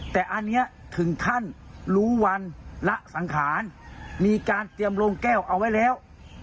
แต่อันนี้ถึงขั้นรู้วันละสังขารมีการเตรียมโรงแก้วเอาไว้แล้ว